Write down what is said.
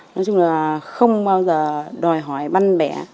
nói chung là không bao giờ đòi hỏi băn bẻ